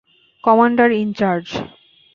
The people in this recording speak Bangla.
Commander in charge.